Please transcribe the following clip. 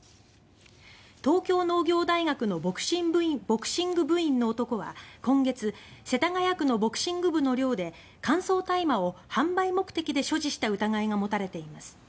東京農業大学のボクシング部員の男は今月、世田谷区のボクシング部の寮で乾燥大麻を販売目的で所持した疑いが持たれています。